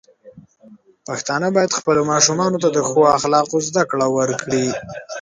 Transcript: پښتانه بايد خپلو ماشومانو ته د ښو اخلاقو زده کړه ورکړي.